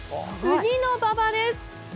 杉の馬場です。